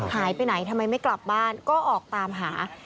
หายไปไหนทำไมไม่กลับบ้านก็ออกตามหา